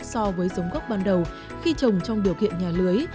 so với giống gốc ban đầu khi trồng trong điều kiện nhà lưới